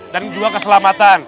dan juga keselamatan